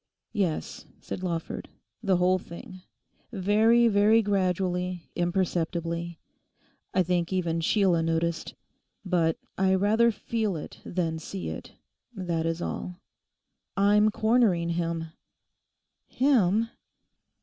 'Yes,' said Lawford, 'the whole thing—very, very gradually, imperceptibly. I think even Sheila noticed. But I rather feel it than see it; that is all.... I'm cornering him.' 'Him?